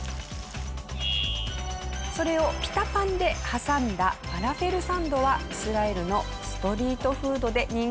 それをピタパンで挟んだファラフェルサンドはイスラエルのストリートフードで人気があります。